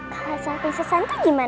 kalau sampai sesantai gimana